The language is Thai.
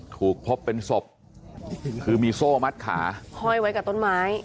ถูกพบเป็นศพคือมีโซ่มัดขาห้อยไว้กับต้นไม้